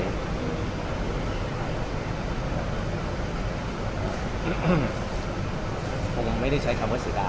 ผมรู้สึกคำว่าเซดายมีเสียใจ